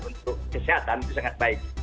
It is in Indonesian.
untuk kesehatan itu sangat baik